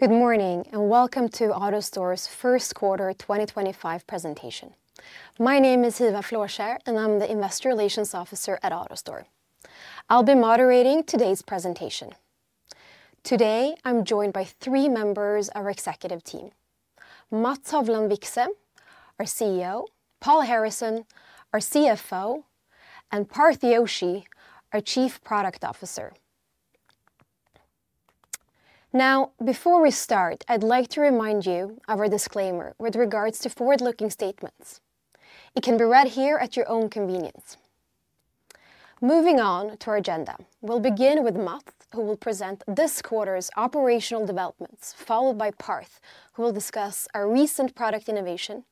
Good morning and welcome to AutoStore's First Quarter 2025 presentation. My name is Hiva Flåskjer, and I'm the Investor Relations Officer at AutoStore. I'll be moderating today's presentation. Today, I'm joined by three members of our executive team: Mats Hovland Vikse, our CEO; Paul Harrison, our CFO; and Parth Joshi, our Chief Product Officer. Now, before we start, I'd like to remind you of our disclaimer with regards to forward-looking statements. It can be read here at your own convenience. Moving on to our agenda, we'll begin with Mats, who will present this quarter's operational developments, followed by Parth, who will discuss our recent product innovation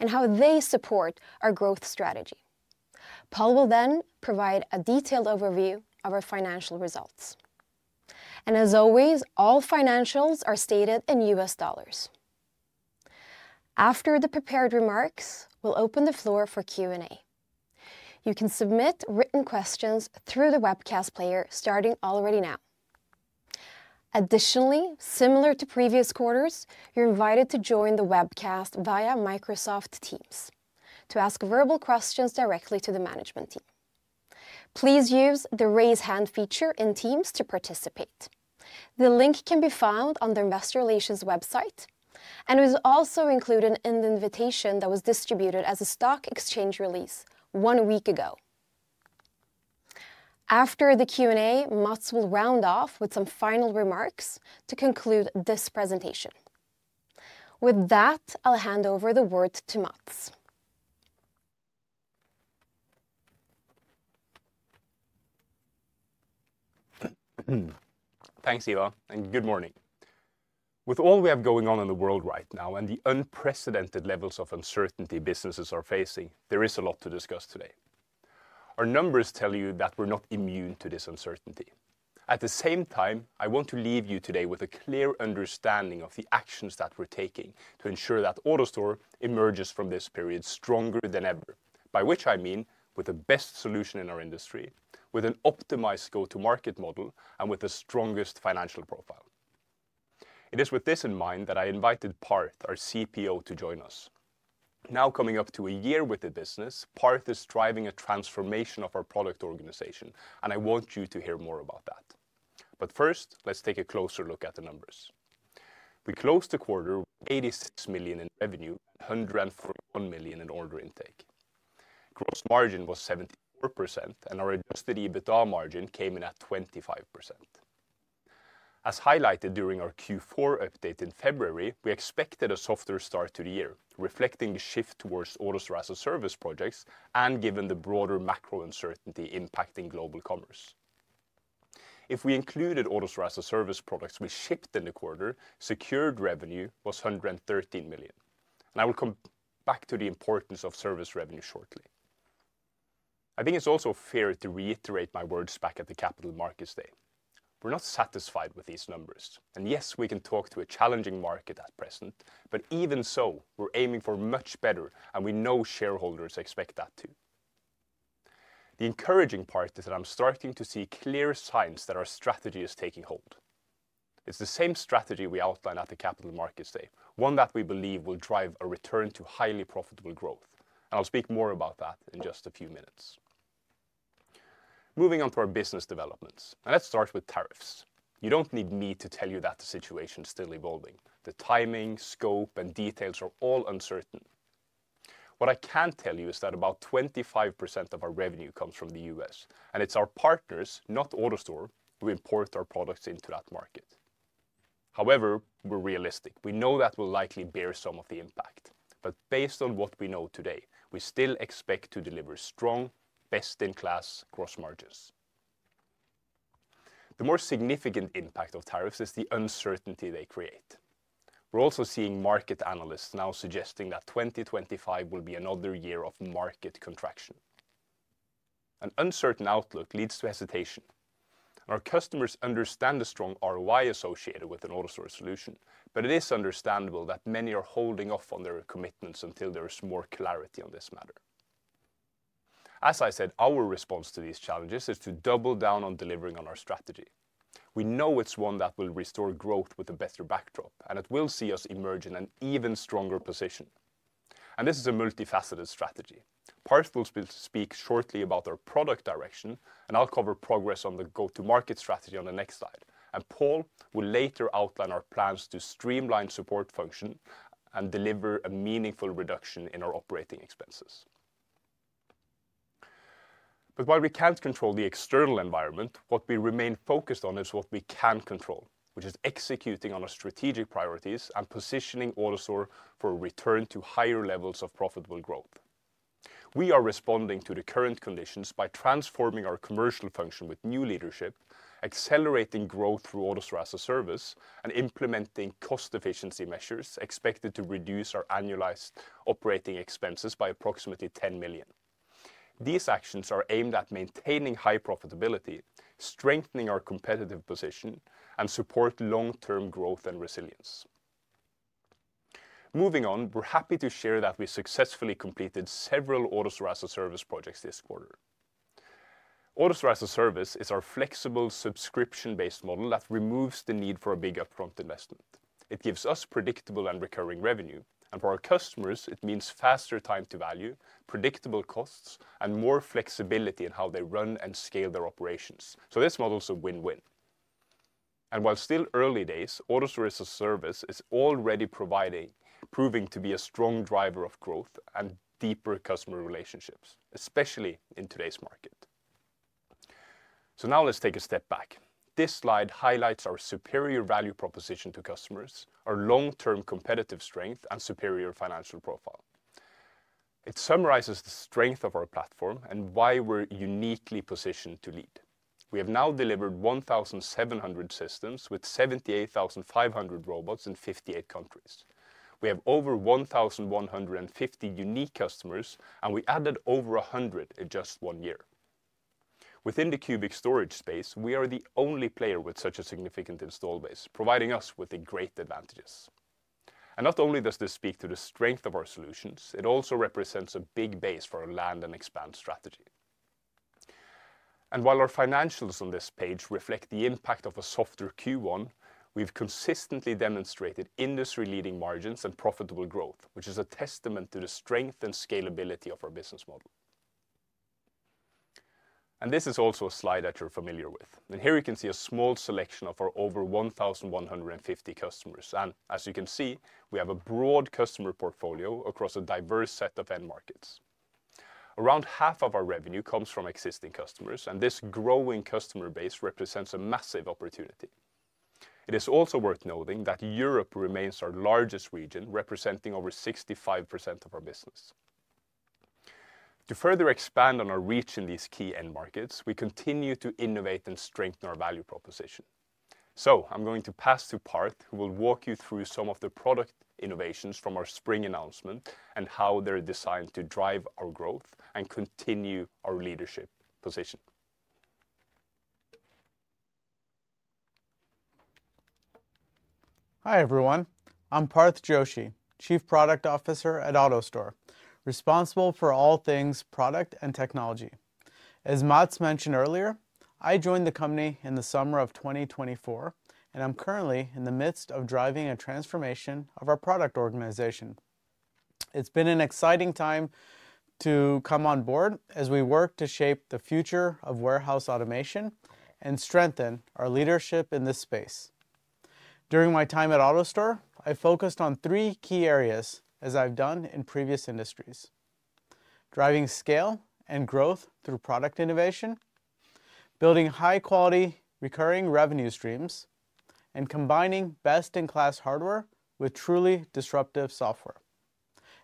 and how they support our growth strategy. Paul will then provide a detailed overview of our financial results. As always, all financials are stated in U.S. dollars. After the prepared remarks, we'll open the floor for Q&A. You can submit written questions through the webcast player, starting already now. Additionally, similar to previous quarters, you're invited to join the webcast via Microsoft Teams to ask verbal questions directly to the management team. Please use the raise hand feature in Teams to participate. The link can be found on the Investor Relations website, and it was also included in the invitation that was distributed as a stock exchange release one week ago. After the Q&A, Mats will round off with some final remarks to conclude this presentation. With that, I'll hand over the word to Mats. Thanks, Hiva, and good morning. With all we have going on in the world right now and the unprecedented levels of uncertainty businesses are facing, there is a lot to discuss today. Our numbers tell you that we're not immune to this uncertainty. At the same time, I want to leave you today with a clear understanding of the actions that we're taking to ensure that AutoStore emerges from this period stronger than ever, by which I mean with the best solution in our industry, with an optimized go-to-market model, and with the strongest financial profile. It is with this in mind that I invited Parth, our CPO, to join us. Now coming up to a year with the business, Parth is driving a transformation of our product organization, and I want you to hear more about that. First, let's take a closer look at the numbers. We closed the quarter with $86 million in revenue and $141 million in order intake. Gross margin was 74%, and our adjusted EBITDA margin came in at 25%. As highlighted during our Q4 update in February, we expected a softer start to the year, reflecting the shift towards AutoStore-as-a-Service projects and given the broader macro uncertainty impacting global commerce. If we included AutoStore-as-a-Service products we shipped in the quarter, secured revenue was $113 million. I will come back to the importance of service revenue shortly. I think it's also fair to reiterate my words back at the Capital Markets Day. We're not satisfied with these numbers. Yes, we can talk to a challenging market at present, but even so, we're aiming for much better, and we know shareholders expect that too. The encouraging part is that I'm starting to see clear signs that our strategy is taking hold. It's the same strategy we outlined at the Capital Markets Day, one that we believe will drive a return to highly profitable growth. I'll speak more about that in just a few minutes. Moving on to our business developments. Let's start with tariffs. You don't need me to tell you that the situation is still evolving. The timing, scope, and details are all uncertain. What I can tell you is that about 25% of our revenue comes from the U.S., and it's our partners, not AutoStore, who import our products into that market. However, we're realistic. We know that we will likely bear some of the impact. Based on what we know today, we still expect to deliver strong, best-in-class gross margins. The more significant impact of tariffs is the uncertainty they create. We're also seeing market analysts now suggesting that 2025 will be another year of market contraction. An uncertain outlook leads to hesitation. Our customers understand the strong ROI associated with an AutoStore solution, but it is understandable that many are holding off on their commitments until there is more clarity on this matter. As I said, our response to these challenges is to double down on delivering on our strategy. We know it's one that will restore growth with a better backdrop, and it will see us emerge in an even stronger position. This is a multifaceted strategy. Parth will speak shortly about our product direction, and I'll cover progress on the go-to-market strategy on the next slide. Paul will later outline our plans to streamline support function and deliver a meaningful reduction in our operating expenses. While we can't control the external environment, what we remain focused on is what we can control, which is executing on our strategic priorities and positioning AutoStore for a return to higher levels of profitable growth. We are responding to the current conditions by transforming our commercial function with new leadership, accelerating growth through AutoStore-as-a-Service, and implementing cost efficiency measures expected to reduce our annualized operating expenses by approximately $10 million. These actions are aimed at maintaining high profitability, strengthening our competitive position, and supporting long-term growth and resilience. Moving on, we're happy to share that we successfully completed several AutoStore-as-a-Service projects this quarter. AutoStore-as-a-Service is our flexible subscription-based model that removes the need for a big upfront investment. It gives us predictable and recurring revenue. For our customers, it means faster time to value, predictable costs, and more flexibility in how they run and scale their operations. This model is a win-win. While still early days, AutoStore-as-a-Service is already proving to be a strong driver of growth and deeper customer relationships, especially in today's market. Now let's take a step back. This slide highlights our superior value proposition to customers, our long-term competitive strength, and superior financial profile. It summarizes the strength of our platform and why we're uniquely positioned to lead. We have now delivered 1,700 systems with 78,500 robots in 58 countries. We have over 1,150 unique customers, and we added over 100 in just one year. Within the Cubic storage space, we are the only player with such a significant install base, providing us with great advantages. Not only does this speak to the strength of our solutions, it also represents a big base for our land and expand strategy. While our financials on this page reflect the impact of a softer Q1, we've consistently demonstrated industry-leading margins and profitable growth, which is a testament to the strength and scalability of our business model. This is also a slide that you're familiar with. Here you can see a small selection of our over 1,150 customers. As you can see, we have a broad customer portfolio across a diverse set of end markets. Around half of our revenue comes from existing customers, and this growing customer base represents a massive opportunity. It is also worth noting that Europe remains our largest region, representing over 65% of our business. To further expand on our reach in these key end markets, we continue to innovate and strengthen our value proposition. I'm going to pass to Parth, who will walk you through some of the product innovations from our spring announcement and how they're designed to drive our growth and continue our leadership position. Hi everyone. I'm Parth Joshi, Chief Product Officer at AutoStore, responsible for all things product and technology. As Mats mentioned earlier, I joined the company in the summer of 2024, and I'm currently in the midst of driving a transformation of our product organization. It's been an exciting time to come on board as we work to shape the future of warehouse automation and strengthen our leadership in this space. During my time at AutoStore, I focused on three key areas as I've done in previous industries: driving scale and growth through product innovation, building high-quality recurring revenue streams, and combining best-in-class hardware with truly disruptive software.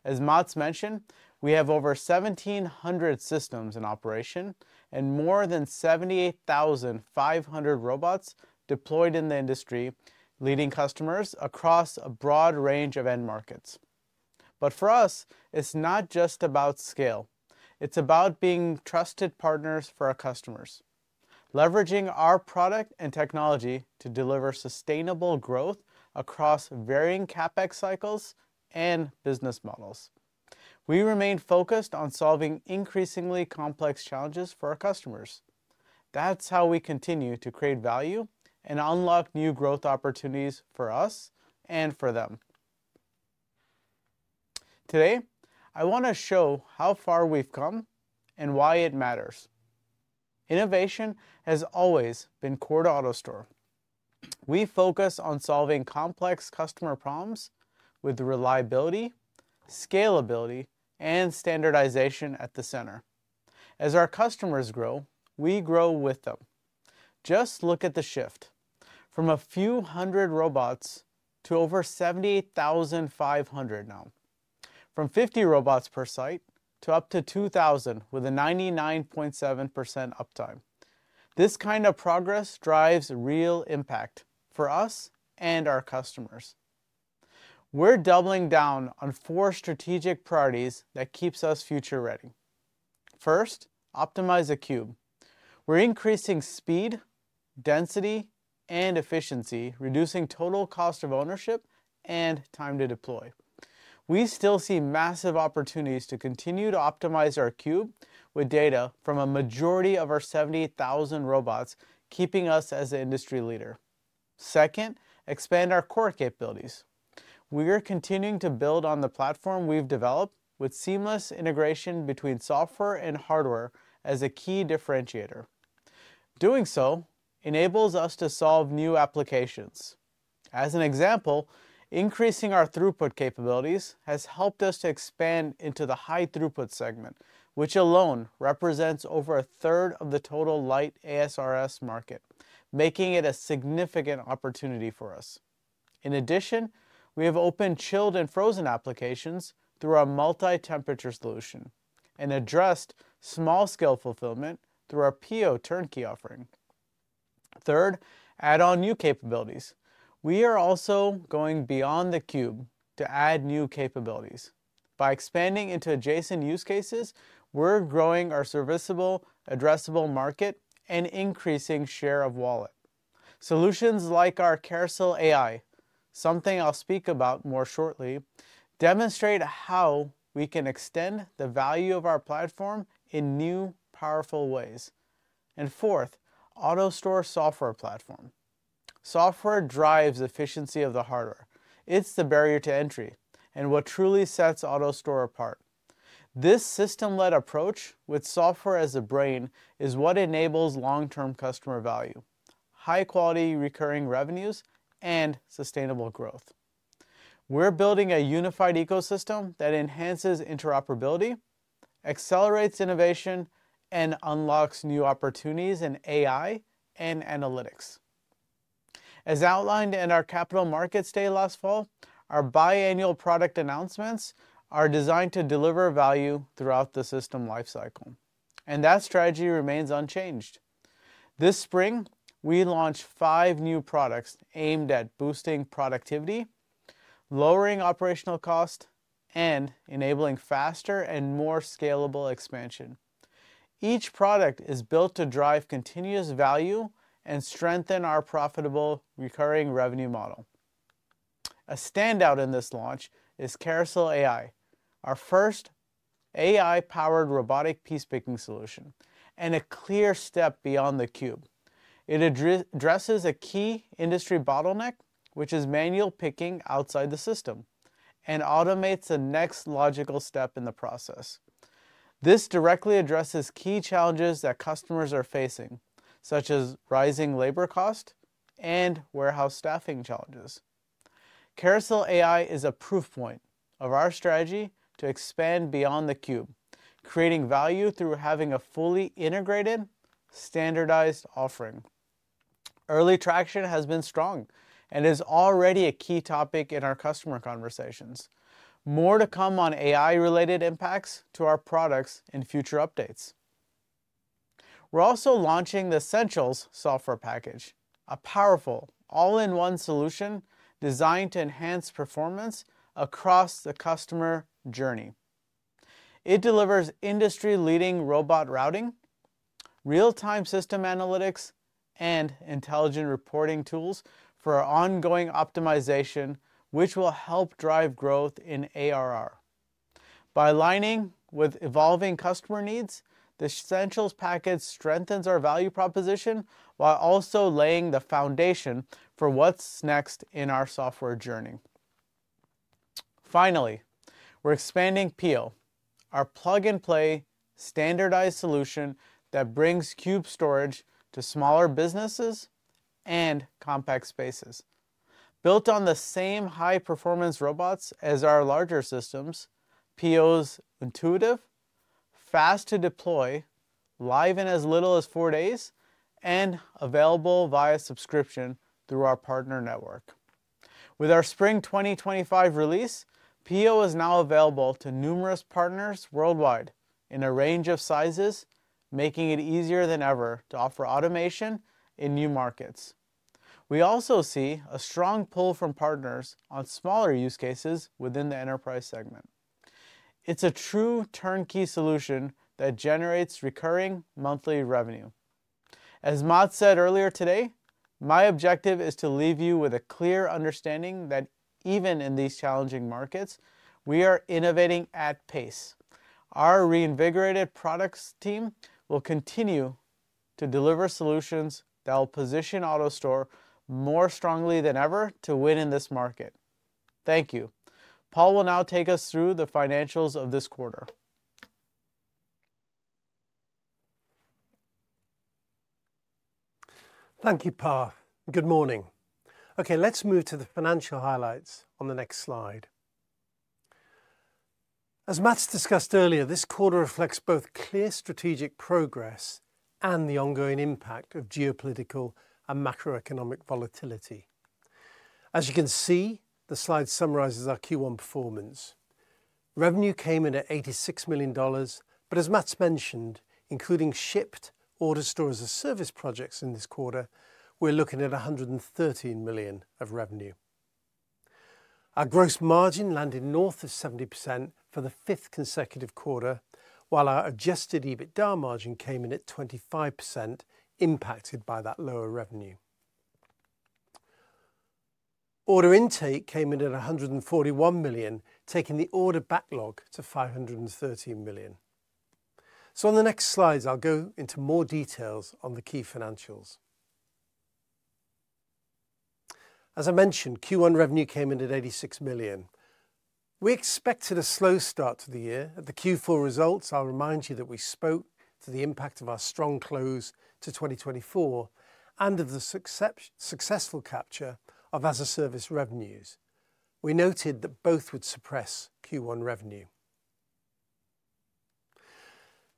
As Mats mentioned, we have over 1,700 systems in operation and more than 78,500 robots deployed in the industry, leading customers across a broad range of end markets. For us, it's not just about scale. It's about being trusted partners for our customers, leveraging our product and technology to deliver sustainable growth across varying CapEx cycles and business models. We remain focused on solving increasingly complex challenges for our customers. That's how we continue to create value and unlock new growth opportunities for us and for them. Today, I want to show how far we've come and why it matters. Innovation has always been core to AutoStore. We focus on solving complex customer problems with reliability, scalability, and standardization at the center. As our customers grow, we grow with them. Just look at the shift: from a few hundred robots to over 78,500 now; from 50 robots per site to up to 2,000 with a 99.7% uptime. This kind of progress drives real impact for us and our customers. We're doubling down on four strategic priorities that keep us future-ready. First, optimize a Cube. We're increasing speed, density, and efficiency, reducing total cost of ownership and time to deploy. We still see massive opportunities to continue to optimize our Cube with data from a majority of our 78,000 robots, keeping us as an industry leader. Second, expand our core capabilities. We are continuing to build on the platform we've developed with seamless integration between software and hardware as a key differentiator. Doing so enables us to solve new applications. As an example, increasing our throughput capabilities has helped us to expand into the high throughput segment, which alone represents over a third of the total light ASRS market, making it a significant opportunity for us. In addition, we have open chilled and frozen applications through our multi-temperature solution and addressed small-scale fulfillment through our Pio turnkey offering. Third, add on new capabilities. We are also going beyond the Cube to add new capabilities. By expanding into adjacent use cases, we're growing our serviceable, addressable market and increasing share of wallet. Solutions like our CarouselAI, something I'll speak about more shortly, demonstrate how we can extend the value of our platform in new, powerful ways. Fourth, AutoStore software platform. Software drives efficiency of the hardware. It's the barrier to entry and what truly sets AutoStore apart. This system-led approach with software as the brain is what enables long-term customer value, high-quality recurring revenues, and sustainable growth. We're building a unified ecosystem that enhances interoperability, accelerates innovation, and unlocks new opportunities in AI and analytics. As outlined in our Capital Markets Day last fall, our biannual product announcements are designed to deliver value throughout the system lifecycle. That strategy remains unchanged. This spring, we launched five new products aimed at boosting productivity, lowering operational cost, and enabling faster and more scalable expansion. Each product is built to drive continuous value and strengthen our profitable recurring revenue model. A standout in this launch is CarouselAI, our first AI-powered robotic piece picking solution and a clear step beyond the Cube. It addresses a key industry bottleneck, which is manual picking outside the system, and automates the next logical step in the process. This directly addresses key challenges that customers are facing, such as rising labor cost and warehouse staffing challenges. CarouselAI is a proof point of our strategy to expand beyond the Cube, creating value through having a fully integrated, standardized offering. Early traction has been strong and is already a key topic in our customer conversations. More to come on AI-related impacts to our products in future updates. We're also launching the Essentials software package, a powerful all-in-one solution designed to enhance performance across the customer journey. It delivers industry-leading robot routing, real-time system analytics, and intelligent reporting tools for ongoing optimization, which will help drive growth in ARR. By aligning with evolving customer needs, the Essentials package strengthens our value proposition while also laying the foundation for what's next in our software journey. Finally, we're expanding Pio, our plug-and-play standardized solution that brings Cube storage to smaller businesses and compact spaces. Built on the same high-performance robots as our larger systems, Pio is intuitive, fast to deploy, live in as little as four days, and available via subscription through our partner network. With our spring 2025 release, Pio is now available to numerous partners worldwide in a range of sizes, making it easier than ever to offer automation in new markets. We also see a strong pull from partners on smaller use cases within the enterprise segment. It's a true turnkey solution that generates recurring monthly revenue. As Mats said earlier today, my objective is to leave you with a clear understanding that even in these challenging markets, we are innovating at pace. Our reinvigorated products team will continue to deliver solutions that will position AutoStore more strongly than ever to win in this market. Thank you. Paul will now take us through the financials of this quarter. Thank you, Parth. Good morning. Okay, let's move to the financial highlights on the next slide. As Mats discussed earlier, this quarter reflects both clear strategic progress and the ongoing impact of geopolitical and macroeconomic volatility. As you can see, the slide summarizes our Q1 performance. Revenue came in at $86 million, but as Mats mentioned, including shipped AutoStore-as-a-Service projects in this quarter, we're looking at $113 million of revenue. Our gross margin landed north of 70% for the fifth consecutive quarter, while our adjusted EBITDA margin came in at 25%, impacted by that lower revenue. Order intake came in at $141 million, taking the order backlog to $513 million. On the next slides, I'll go into more details on the key financials. As I mentioned, Q1 revenue came in at $86 million. We expected a slow start to the year at the Q4 results. I'll remind you that we spoke to the impact of our strong close to 2024 and of the successful capture of as-a-service revenues. We noted that both would suppress Q1 revenue.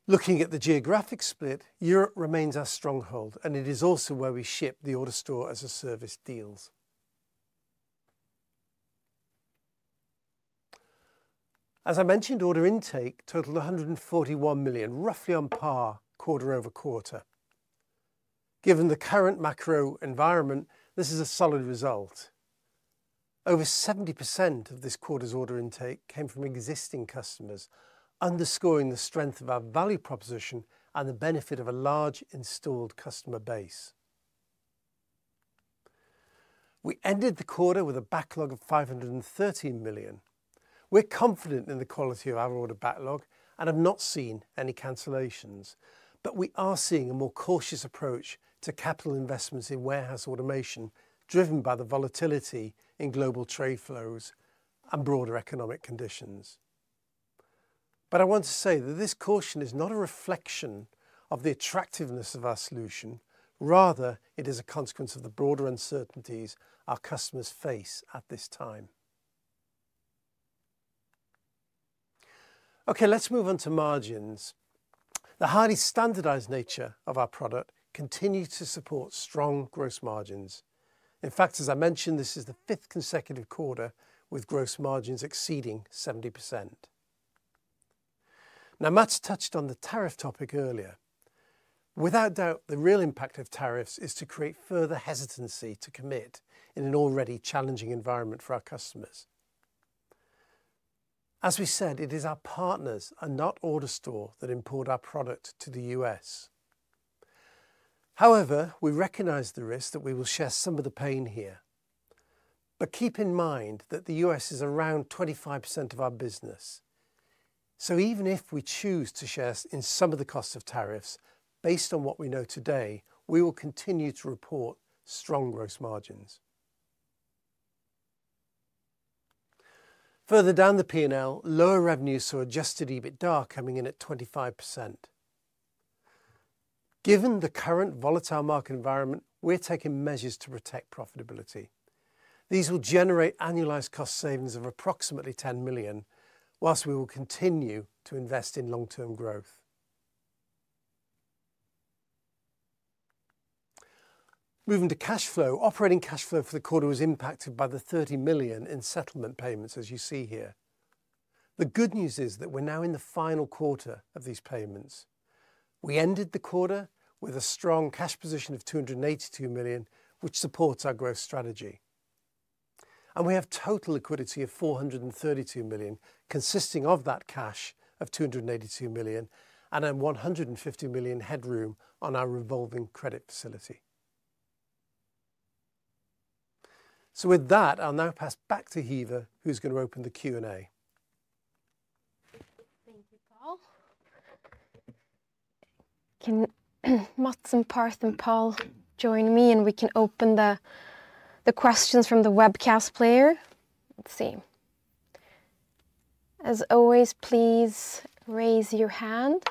Looking at the geographic split, Europe remains our stronghold, and it is also where we ship the AutoStore-as-a-Service deals. As I mentioned, order intake totaled $141 million, roughly on par quarter-over-quarter. Given the current macro environment, this is a solid result. Over 70% of this quarter's order intake came from existing customers, underscoring the strength of our value proposition and the benefit of a large installed customer base. We ended the quarter with a backlog of $513 million. We're confident in the quality of our order backlog and have not seen any cancellations, but we are seeing a more cautious approach to capital investments in warehouse automation driven by the volatility in global trade flows and broader economic conditions. I want to say that this caution is not a reflection of the attractiveness of our solution. Rather, it is a consequence of the broader uncertainties our customers face at this time. Okay, let's move on to margins. The highly standardized nature of our product continues to support strong gross margins. In fact, as I mentioned, this is the fifth consecutive quarter with gross margins exceeding 70%. Now, Mats touched on the tariff topic earlier. Without doubt, the real impact of tariffs is to create further hesitancy to commit in an already challenging environment for our customers. As we said, it is our partners, and not AutoStore, that import our product to the U.S. However, we recognize the risk that we will share some of the pain here. Keep in mind that the U.S. is around 25% of our business. Even if we choose to share in some of the costs of tariffs, based on what we know today, we will continue to report strong gross margins. Further down the P&L, lower revenues saw adjusted EBITDA coming in at 25%. Given the current volatile market environment, we're taking measures to protect profitability. These will generate annualized cost savings of approximately $10 million, whilst we will continue to invest in long-term growth. Moving to cash flow, operating cash flow for the quarter was impacted by the $30 million in settlement payments, as you see here. The good news is that we're now in the final quarter of these payments. We ended the quarter with a strong cash position of $282 million, which supports our growth strategy. We have total liquidity of $432 million, consisting of that cash of $282 million and a $150 million headroom on our revolving credit facility. With that, I'll now pass back to Hiva, who's going to open the Q&A. Thank you, Paul. Can Mats and Parth and Paul join me, and we can open the questions from the webcast player? Let's see. As always, please raise your hand.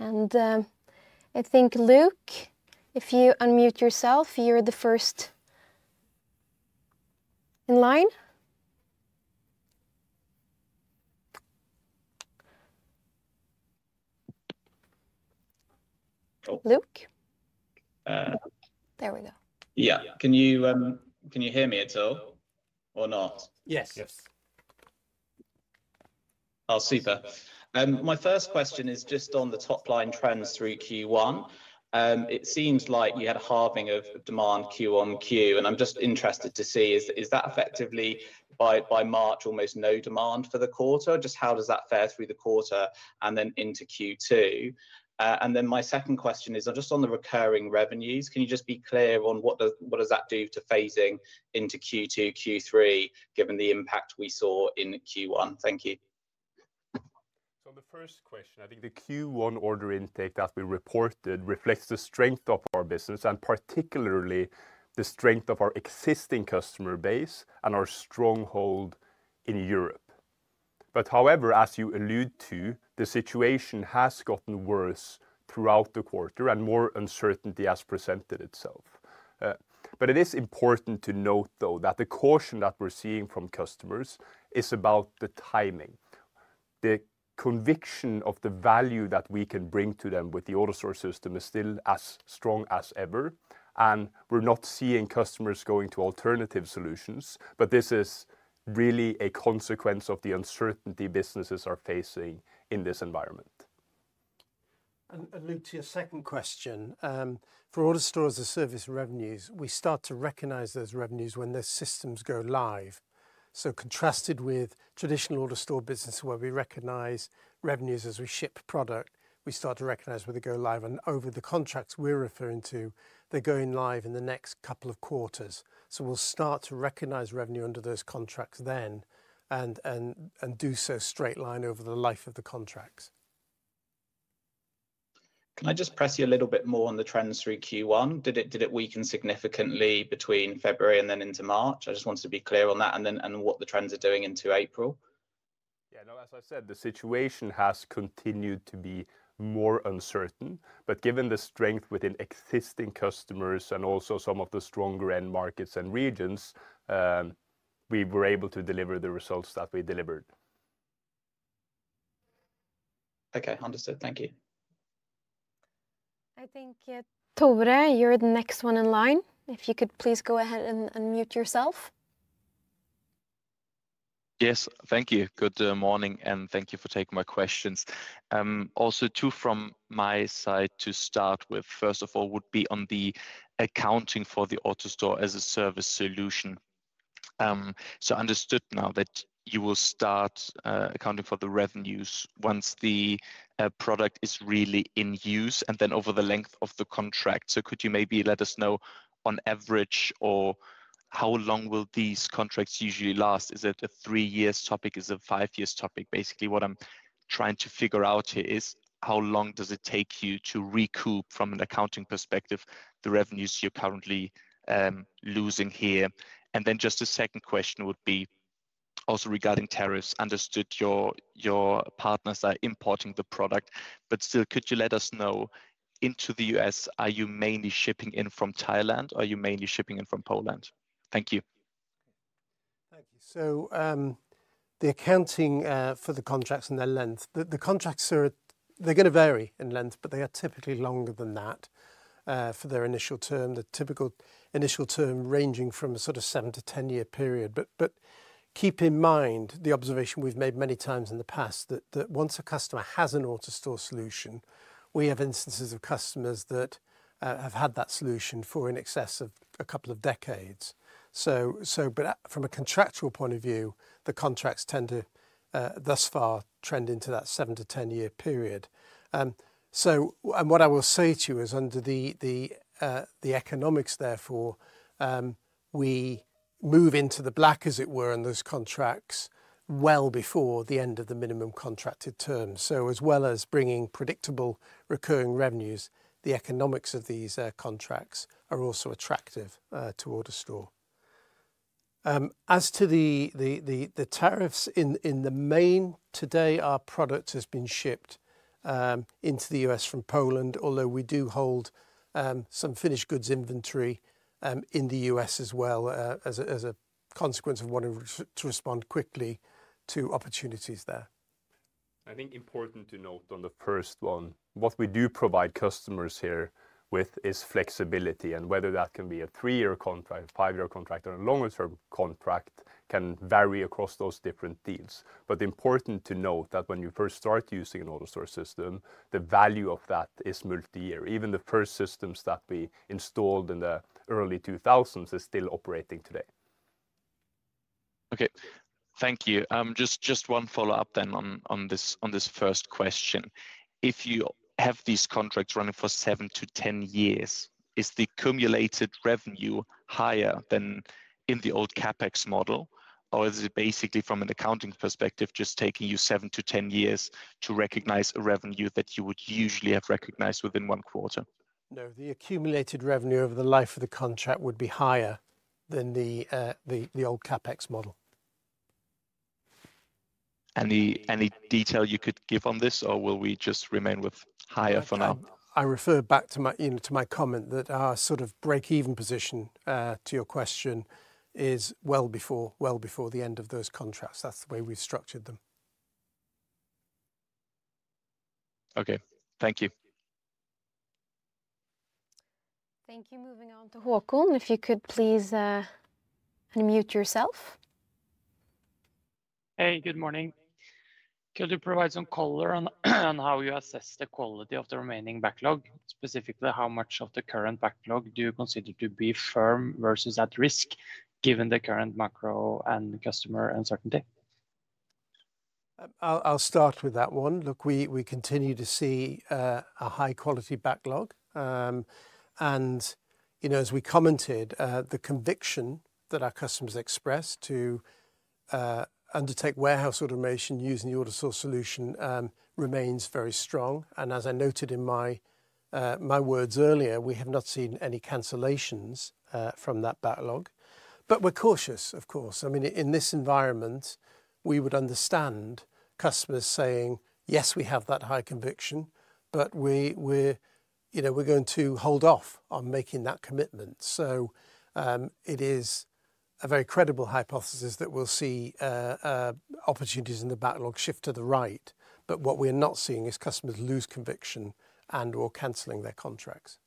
I think, Luke, if you unmute yourself, you're the first in line. Luke? There we go. Yeah. Can you hear me at all or not? Yes. Oh, super. My first question is just on the top line trends through Q1. It seems like you had a halving of demand Q on Q, and I'm just interested to see, is that effectively by March, almost no demand for the quarter? Just how does that fare through the quarter and then into Q2? My second question is just on the recurring revenues. Can you just be clear on what does that do to phasing into Q2, Q3, given the impact we saw in Q1? Thank you. On the first question, I think the Q1 order intake that we reported reflects the strength of our business and particularly the strength of our existing customer base and our stronghold in Europe. However, as you allude to, the situation has gotten worse throughout the quarter and more uncertainty has presented itself. It is important to note, though, that the caution that we're seeing from customers is about the timing. The conviction of the value that we can bring to them with the AutoStore system is still as strong as ever, and we're not seeing customers going to alternative solutions, this is really a consequence of the uncertainty businesses are facing in this environment. Luke, to your second question, for AutoStore-as-a-Service revenues, we start to recognize those revenues when the systems go live. Contrasted with traditional AutoStore business, where we recognize revenues as we ship product, we start to recognize where they go live. Over the contracts we're referring to, they're going live in the next couple of quarters. We will start to recognize revenue under those contracts then and do so straight line over the life of the contracts. Can I just press you a little bit more on the trends through Q1? Did it weaken significantly between February and then into March? I just wanted to be clear on that and what the trends are doing into April. Yeah, no, as I said, the situation has continued to be more uncertain, but given the strength within existing customers and also some of the stronger end markets and regions, we were able to deliver the results that we delivered. Okay, understood. Thank you. I think Tore, you're the next one in line. If you could please go ahead and unmute yourself. Yes, thank you. Good morning, and thank you for taking my questions. Also, two from my side to start with, first of all, would be on the accounting for the AutoStore-as-a-Service solution. So understood now that you will start accounting for the revenues once the product is really in use and then over the length of the contract. Could you maybe let us know on average or how long will these contracts usually last? Is it a three-year topic? Is it a five-year topic? Basically, what I'm trying to figure out here is how long does it take you to recoup, from an accounting perspective, the revenues you're currently losing here? Just a second question would be also regarding tariffs. Understood your partners are importing the product, but still, could you let us know into the U.S., are you mainly shipping in from Thailand or are you mainly shipping in from Poland? Thank you. Thank you. The accounting for the contracts and their length, the contracts are going to vary in length, but they are typically longer than that for their initial term, the typical initial term ranging from a sort of seven to ten-year period. Keep in mind the observation we've made many times in the past that once a customer has an AutoStore solution, we have instances of customers that have had that solution for in excess of a couple of decades. From a contractual point of view, the contracts tend to thus far trend into that seven to ten-year period. What I will say to you is under the economics, therefore, we move into the black, as it were, in those contracts well before the end of the minimum contracted term. As well as bringing predictable recurring revenues, the economics of these contracts are also attractive to AutoStore. As to the tariffs, in the main, today our product has been shipped into the U.S. from Poland, although we do hold some finished goods inventory in the U.S. as well as a consequence of wanting to respond quickly to opportunities there. I think important to note on the first one, what we do provide customers here with is flexibility. Whether that can be a three-year contract, a five-year contract, or a longer-term contract can vary across those different deals. Important to note that when you first start using an AutoStore system, the value of that is multi-year. Even the first systems that we installed in the early 2000s are still operating today. Okay, thank you. Just one follow-up then on this first question. If you have these contracts running for seven to ten years, is the cumulated revenue higher than in the old CapEx model, or is it basically from an accounting perspective, just taking you seven to ten years to recognize a revenue that you would usually have recognized within one quarter? No, the accumulated revenue over the life of the contract would be higher than the old CapEx model. Any detail you could give on this, or will we just remain with higher for now? I refer back to my comment that our sort of break-even position to your question is well before the end of those contracts. That is the way we've structured them. Okay, thank you. Thank you. Moving on to Håkon, if you could please unmute yourself. Hey, good morning. Could you provide some color on how you assess the quality of the remaining backlog, specifically how much of the current backlog do you consider to be firm versus at risk given the current macro and customer uncertainty? I'll start with that one. Look, we continue to see a high-quality backlog. As we commented, the conviction that our customers expressed to undertake warehouse automation using the AutoStore solution remains very strong. As I noted in my words earlier, we have not seen any cancellations from that backlog. We are cautious, of course. I mean, in this environment, we would understand customers saying, "Yes, we have that high conviction, but we're going to hold off on making that commitment." It is a very credible hypothesis that we'll see opportunities in the backlog shift to the right. What we are not seeing is customers lose conviction and/or canceling their contracts.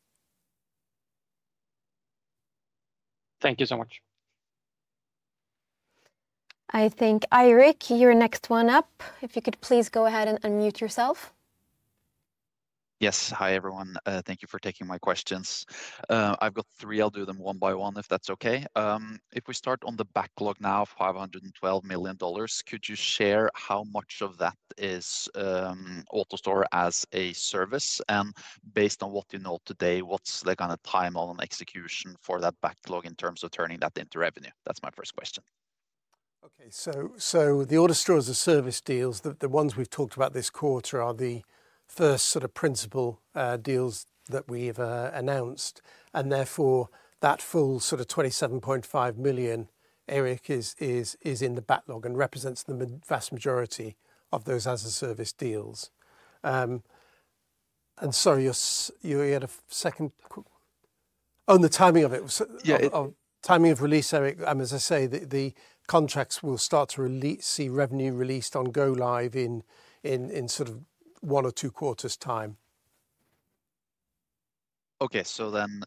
Thank you so much. I think, Eirik, you're next one up. If you could please go ahead and unmute yourself. Yes. Hi, everyone. Thank you for taking my questions. I've got three. I'll do them one by one if that's okay. If we start on the backlog now of $512 million, could you share how much of that is AutoStore-as-a-Service? And based on what you know today, what's the kind of time on execution for that backlog in terms of turning that into revenue? That's my first question. Okay, the AutoStore-as-a-Service deals, the ones we've talked about this quarter, are the first sort of principal deals that we've announced. Therefore, that full sort of $27.5 million, Eirik, is in the backlog and represents the vast majority of those as-a-Service deals. Sorry, you had a second on the timing of it. Timing of release, Eirik. As I say, the contracts will start to see revenue released on go live in sort of one or two quarters' time. Okay, so then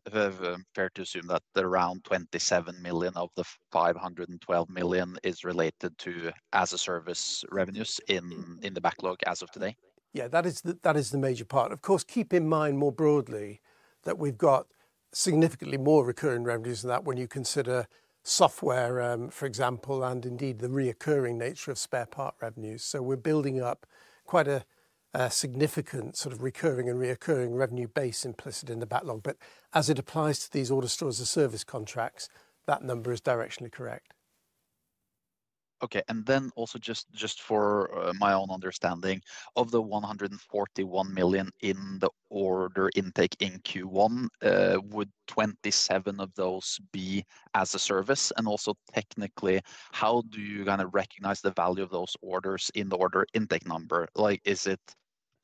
fair to assume that around $27 million of the $512 million is related to as-a-Service revenues in the backlog as of today? Yeah, that is the major part. Of course, keep in mind more broadly that we've got significantly more recurring revenues than that when you consider software, for example, and indeed the recurring nature of spare part revenues. So we're building up quite a significant sort of recurring and recurring revenue base implicit in the backlog. But as it applies to these AutoStore-as-a-Service contracts, that number is directionally correct. Okay, and then also just for my own understanding, of the $141 million in the order intake in Q1, would $27 million of those be as-a-Service? Also, technically, how do you kind of recognize the value of those orders in the order intake number? Is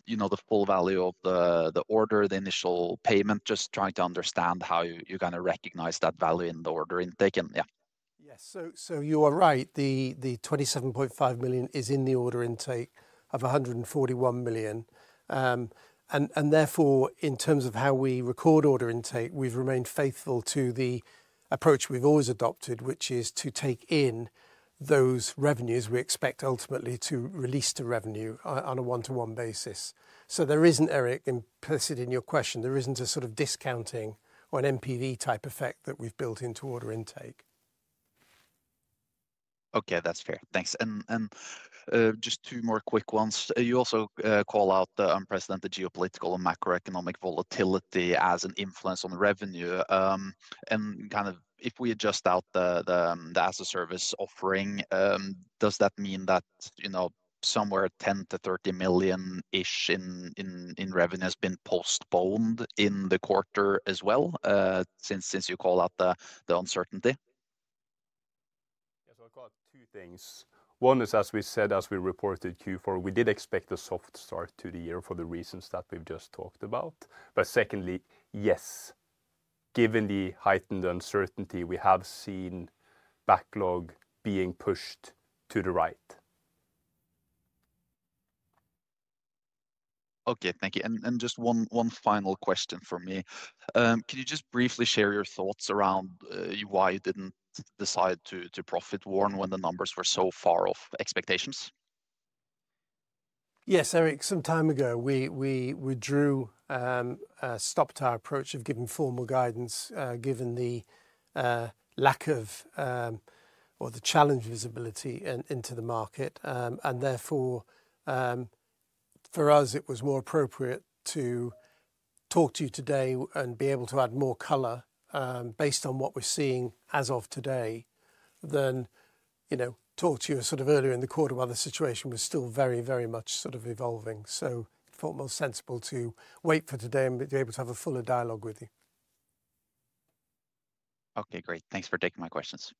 it the full value of the order, the initial payment? Just trying to understand how you kind of recognize that value in the order intake. Yeah, you are right. The $27.5 million is in the order intake of $141 million. Therefore, in terms of how we record order intake, we've remained faithful to the approach we've always adopted, which is to take in those revenues we expect ultimately to release to revenue on a one-to-one basis. There isn't, Eirik, implicit in your question, there isn't a sort of discounting or an NPV type effect that we've built into order intake. Okay, that's fair. Thanks. Just two more quick ones. You also call out the unprecedented geopolitical and macroeconomic volatility as an influence on revenue. If we adjust out the as-a-Service offering, does that mean that somewhere $10 million-$30 million in revenue has been postponed in the quarter as well since you call out the uncertainty? Yeah, so I've got two things. One is, as we said, as we reported Q4, we did expect a soft start to the year for the reasons that we've just talked about. Secondly, yes, given the heightened uncertainty, we have seen backlog being pushed to the right. Okay, thank you. Just one final question from me. Can you just briefly share your thoughts around why you did not decide to profit warn when the numbers were so far off expectations? Yes, Eirik, some time ago, we stopped our approach of giving formal guidance given the lack of or the challenge visibility into the market. Therefore, for us, it was more appropriate to talk to you today and be able to add more color based on what we're seeing as of today than talk to you sort of earlier in the quarter while the situation was still very, very much sort of evolving. I thought it was more sensible to wait for today and be able to have a fuller dialogue with you. Okay, great. Thanks for taking my questions.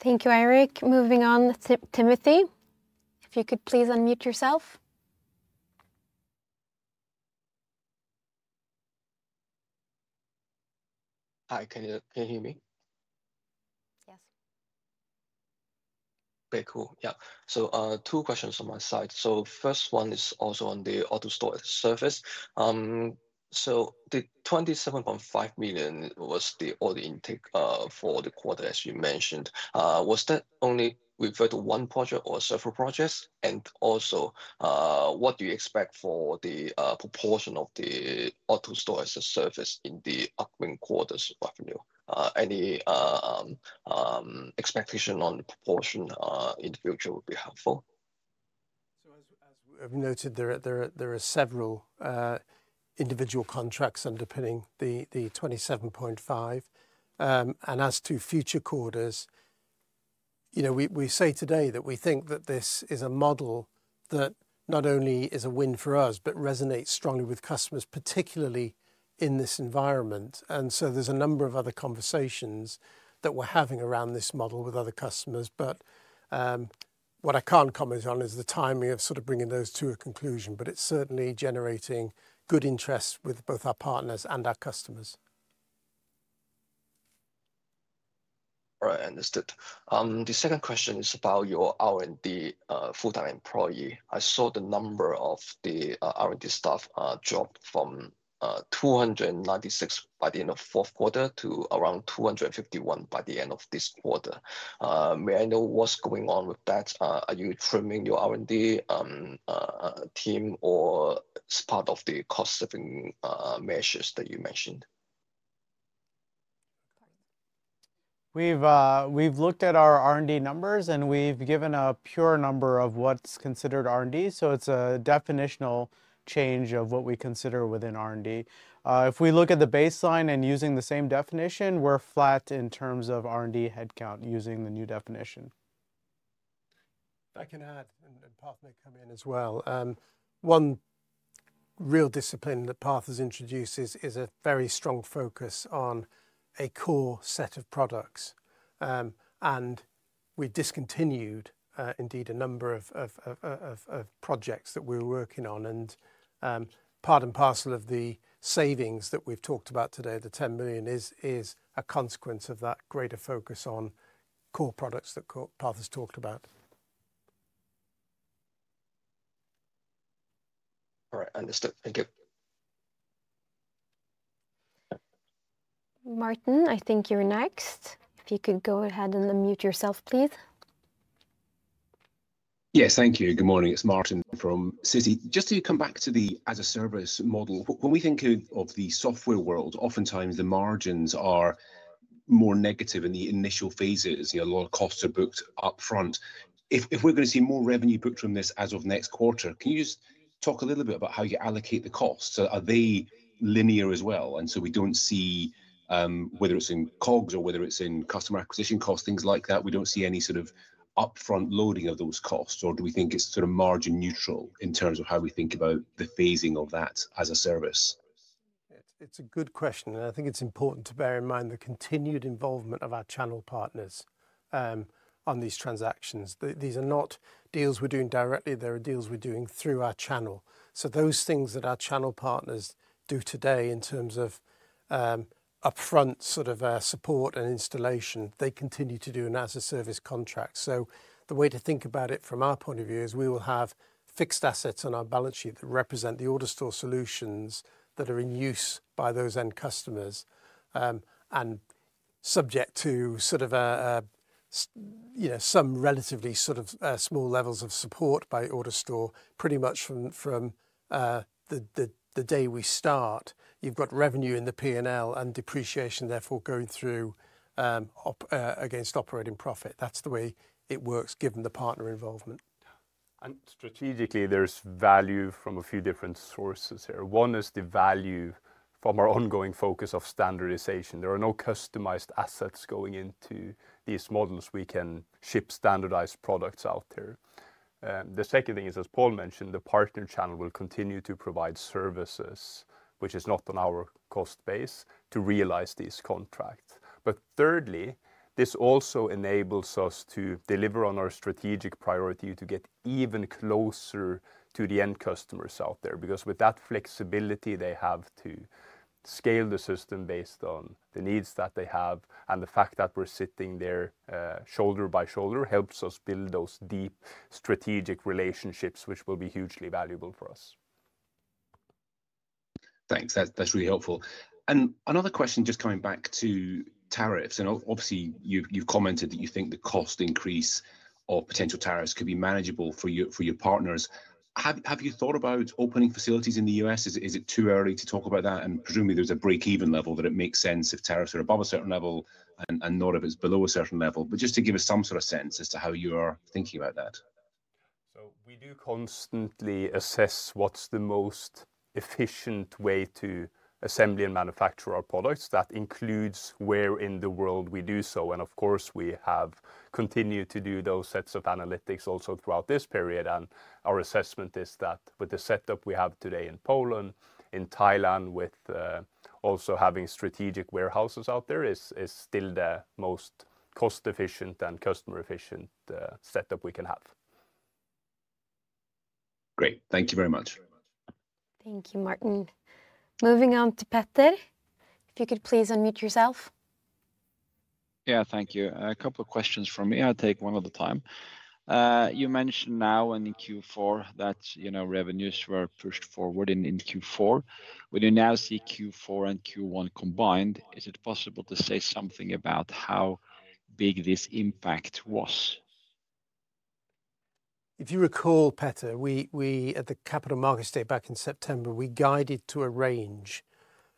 Thank you, Eirik. Moving on to Timothy. If you could please unmute yourself. Can you hear me? Yes. Very cool. Yeah. Two questions on my side. First one is also on the AutoStore-as-a-Service. The $27.5 million was the order intake for the quarter, as you mentioned. Was that only referred to one project or several projects? Also, what do you expect for the proportion of the AutoStore-as-a-Service in the upcoming quarter's revenue? Any expectation on the proportion in the future would be helpful. As we've noted, there are several individual contracts underpinning the $27.5 million. As to future quarters, we say today that we think that this is a model that not only is a win for us, but resonates strongly with customers, particularly in this environment. There are a number of other conversations that we're having around this model with other customers. What I can't comment on is the timing of sort of bringing those to a conclusion, but it is certainly generating good interest with both our partners and our customers. All right, understood. The second question is about your R&D full-time employee. I saw the number of the R&D staff drop from 296 by the end of the fourth quarter to around 251 by the end of this quarter. May I know what's going on with that? Are you trimming your R&D team or it's part of the cost-saving measures that you mentioned? We've looked at our R&D numbers, and we've given a pure number of what's considered R&D. So it's a definitional change of what we consider within R&D. If we look at the baseline and using the same definition, we're flat in terms of R&D headcount using the new definition. I can add, and Parth may come in as well. One real discipline that Parth has introduced is a very strong focus on a core set of products. We discontinued, indeed, a number of projects that we were working on. Part and parcel of the savings that we've talked about today, the $10 million, is a consequence of that greater focus on core products that Parth has talked about. All right, understood. Thank you. Martin, I think you're next. If you could go ahead and unmute yourself, please. Yes, thank you. Good morning. It's Martin from Citi. Just to come back to the as-a-Service model, when we think of the software world, oftentimes the margins are more negative in the initial phases. A lot of costs are booked upfront. If we're going to see more revenue booked from this as of next quarter, can you just talk a little bit about how you allocate the costs? Are they linear as well? We don't see whether it's in COGS or whether it's in customer acquisition costs, things like that. We don't see any sort of upfront loading of those costs. Or do we think it's sort of margin neutral in terms of how we think about the phasing of that as-a-Service? It's a good question. I think it's important to bear in mind the continued involvement of our channel partners on these transactions. These are not deals we're doing directly. They're deals we're doing through our channel. Those things that our channel partners do today in terms of upfront sort of support and installation, they continue to do in an as-a-Service contract. The way to think about it from our point of view is we will have fixed assets on our balance sheet that represent the AutoStore solutions that are in use by those end customers and subject to some relatively small levels of support by AutoStore pretty much from the day we start. You've got revenue in the P&L and depreciation, therefore going through against operating profit. That's the way it works given the partner involvement. Strategically, there's value from a few different sources here. One is the value from our ongoing focus of standardization. There are no customized assets going into these models. We can ship standardized products out there. The second thing is, as Paul mentioned, the partner channel will continue to provide services, which is not on our cost base, to realize these contracts. Thirdly, this also enables us to deliver on our strategic priority to get even closer to the end customers out there. Because with that flexibility, they have to scale the system based on the needs that they have. The fact that we're sitting there shoulder by shoulder helps us build those deep strategic relationships, which will be hugely valuable for us. Thanks. That's really helpful. Another question just coming back to tariffs. Obviously, you've commented that you think the cost increase of potential tariffs could be manageable for your partners. Have you thought about opening facilities in the U.S.? Is it too early to talk about that? Presumably, there's a break-even level that it makes sense if tariffs are above a certain level and not if it's below a certain level. Just to give us some sort of sense as to how you are thinking about that. We do constantly assess what's the most efficient way to assemble and manufacture our products. That includes where in the world we do so. Of course, we have continued to do those sets of analytics also throughout this period. Our assessment is that with the setup we have today in Poland, in Thailand, with also having strategic warehouses out there, is still the most cost-efficient and customer-efficient setup we can have. Great. Thank you very much. Thank you, Martin. Moving on to Petr. If you could please unmute yourself. Yeah, thank you. A couple of questions from me. I'll take one at a time. You mentioned now in Q4 that revenues were pushed forward in Q4. When you now see Q4 and Q1 combined, is it possible to say something about how big this impact was? If you recall, Petr, at the Capital Markets Day back in September, we guided to a range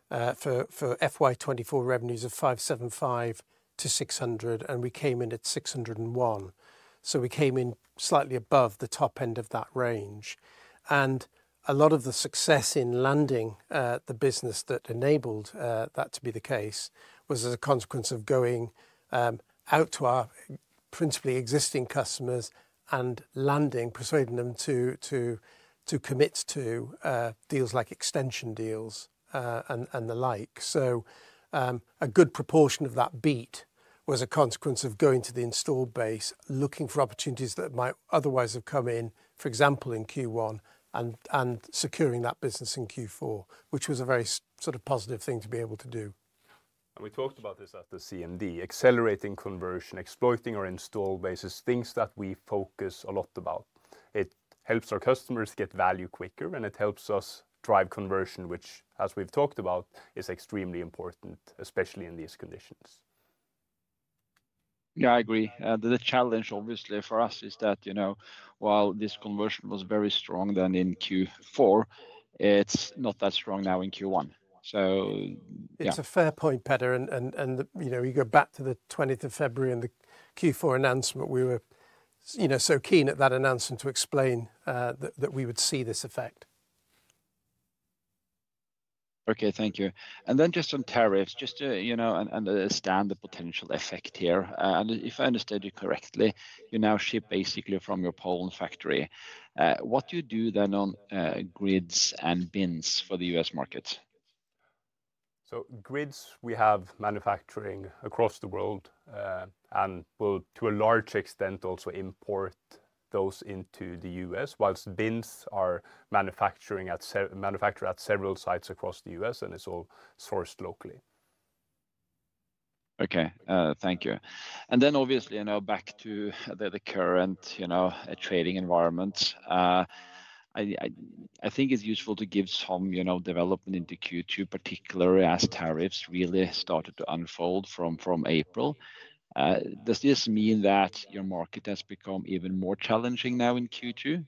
for FY24 revenues of $575-$600, and we came in at $601. We came in slightly above the top end of that range. A lot of the success in landing the business that enabled that to be the case was as a consequence of going out to our principally existing customers and persuading them to commit to deals like extension deals and the like. A good proportion of that beat was a consequence of going to the installed base, looking for opportunities that might otherwise have come in, for example, in Q1, and securing that business in Q4, which was a very sort of positive thing to be able to do. We talked about this at the CMD. Accelerating conversion, exploiting our installed bases, things that we focus a lot about. It helps our customers get value quicker, and it helps us drive conversion, which, as we've talked about, is extremely important, especially in these conditions. Yeah, I agree. The challenge, obviously, for us is that while this conversion was very strong then in Q4, it's not that strong now in Q1. It's a fair point, Petr. You go back to the 20th of February and the Q4 announcement, we were so keen at that announcement to explain that we would see this effect. Okay, thank you. Just on tariffs, just to understand the potential effect here. If I understood you correctly, you now ship basically from your Poland factory. What do you do then on grids and bins for the U.S. markets? Grids, we have manufacturing across the world and will, to a large extent, also import those into the U.S., whilst bins are manufactured at several sites across the U.S., and it's all sourced locally. Okay, thank you. Obviously, back to the current trading environment, I think it's useful to give some development into Q2, particularly as tariffs really started to unfold from April. Does this mean that your market has become even more challenging now in Q2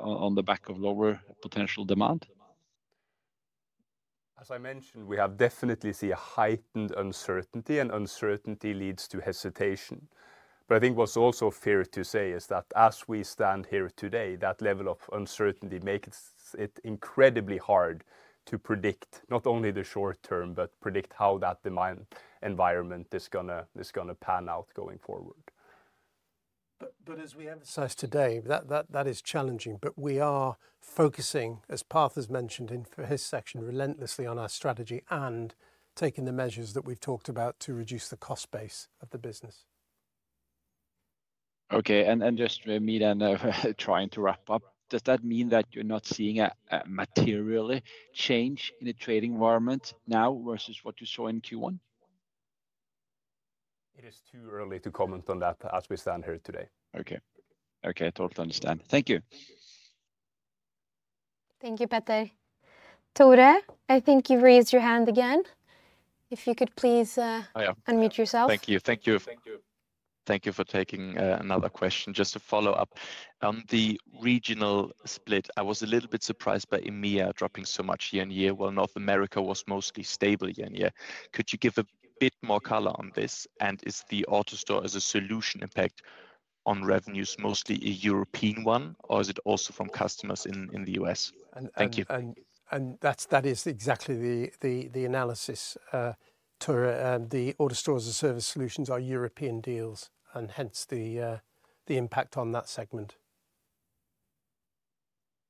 on the back of lower potential demand? As I mentioned, we have definitely seen a heightened uncertainty, and uncertainty leads to hesitation. I think what's also fair to say is that as we stand here today, that level of uncertainty makes it incredibly hard to predict not only the short term, but predict how that demand environment is going to pan out going forward. As we emphasize today, that is challenging, but we are focusing, as Parth has mentioned in his section, relentlessly on our strategy and taking the measures that we've talked about to reduce the cost base of the business. Okay. And just to meet and trying to wrap up, does that mean that you're not seeing a material change in the trading environment now versus what you saw in Q1? It is too early to comment on that as we stand here today. Okay. Okay, totally understand. Thank you. Thank you, Petr. Tore, I think you've raised your hand again. If you could please unmute yourself. Thank you. Thank you. Thank you for taking another question. Just to follow up on the regional split, I was a little bit surprised by EMEA dropping so much year on year while North America was mostly stable year on year. Could you give a bit more color on this? Is the AutoStore-as-a-Solution impact on revenues mostly a European one, or is it also from customers in the U.S.? Thank you. That is exactly the analysis, Tore. The AutoStore-as-a-Service solutions are European deals, and hence the impact on that segment.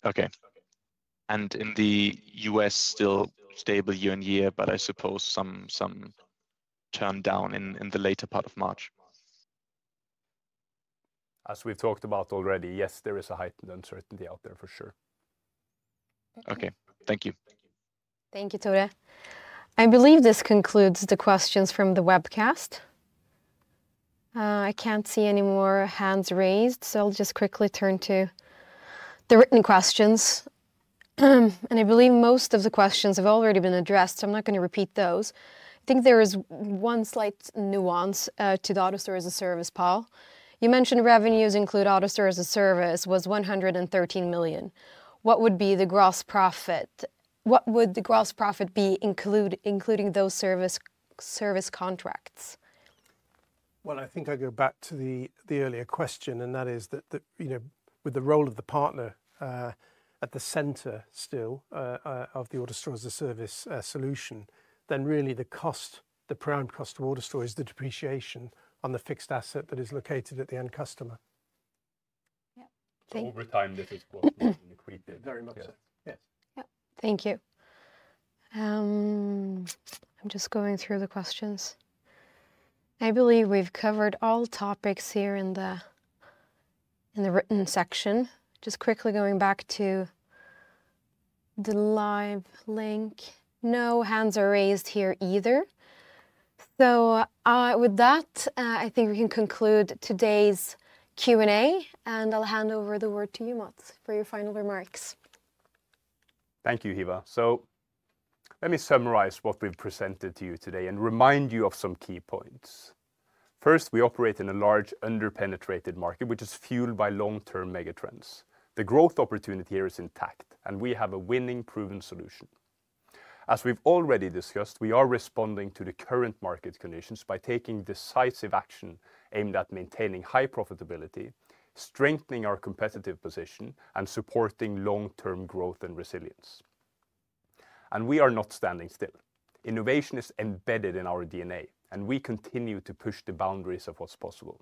Okay. In the U.S., still stable year on year, but I suppose some turn down in the later part of March. As we've talked about already, yes, there is a heightened uncertainty out there for sure. Okay. Thank you. Thank you, Tore. I believe this concludes the questions from the webcast. I cannot see any more hands raised, so I will just quickly turn to the written questions. I believe most of the questions have already been addressed, so I am not going to repeat those. I think there is one slight nuance to the AutoStore-as-a-Service, Paul. You mentioned revenues include AutoStore-as-a-Service was $113 million. What would be the gross profit? What would the gross profit be including those service contracts? I think I go back to the earlier question, and that is that with the role of the partner at the center still of the AutoStore-as-a-Service solution, then really the cost, the prime cost of AutoStore is the depreciation on the fixed asset that is located at the end customer. Yep. Thank you. Over time, this is what we increase. Very much so. Yes. Yep. Thank you. I'm just going through the questions. I believe we've covered all topics here in the written section. Just quickly going back to the live link. No hands are raised here either. With that, I think we can conclude today's Q&A, and I'll hand over the word to you, Mats, for your final remarks. Thank you, Hiva. Let me summarize what we've presented to you today and remind you of some key points. First, we operate in a large underpenetrated market, which is fueled by long-term megatrends. The growth opportunity here is intact, and we have a winning proven solution. As we've already discussed, we are responding to the current market conditions by taking decisive action aimed at maintaining high profitability, strengthening our competitive position, and supporting long-term growth and resilience. We are not standing still. Innovation is embedded in our DNA, and we continue to push the boundaries of what's possible.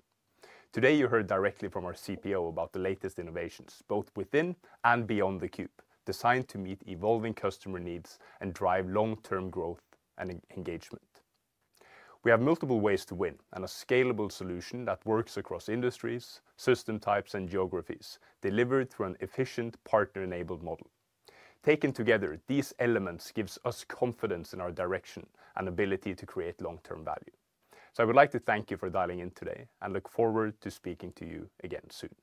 Today, you heard directly from our CPO about the latest innovations, both within and beyond the Cube, designed to meet evolving customer needs and drive long-term growth and engagement. We have multiple ways to win and a scalable solution that works across industries, system types, and geographies, delivered through an efficient partner-enabled model. Taken together, these elements give us confidence in our direction and ability to create long-term value. I would like to thank you for dialing in today and look forward to speaking to you again soon.